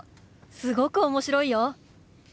すごく面白いよ！